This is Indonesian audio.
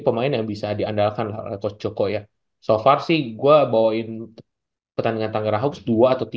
pemain yang bisa diandalkan coach joko ya so far sih gua bawain pertandingan tangga rahogs dua atau tiga